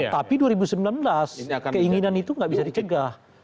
tapi dua ribu sembilan belas keinginan itu nggak bisa dicegah